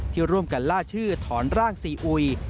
ที่ร่วมกันล่าชื่อถอนร่างซีอุย